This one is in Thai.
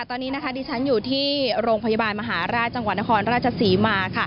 ตอนนี้ดิฉันอยู่ที่โรงพยาบาลมหาราชจังหวัดนครราชศรีมา